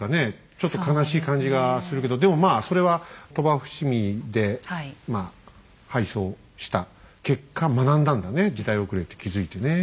ちょっと悲しい感じがするけどでもまあそれは鳥羽伏見で敗走した結果学んだんだね時代遅れって気付いてね。